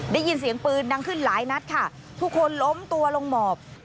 ได้ยินเสียงปืนดังขึ้นหลายนัดค่ะทุกคนล้มตัวลงหมอบ